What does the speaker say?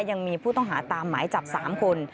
ยังมีผู้ต้องหาตามหมายจับ๓คน